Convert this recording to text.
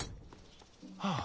はあ。